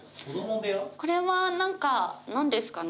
これは何か何ですかね？